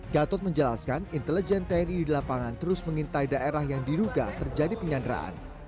gatot menjelaskan intelijen tni di lapangan terus mengintai daerah yang diduga terjadi penyanderaan